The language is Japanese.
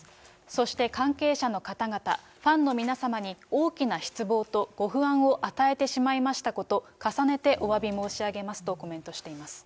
そして関係者の方々、ファンの皆様に大きな失望とご不安を与えてしまいましたこと、重ねておわび申し上げますとコメントしています。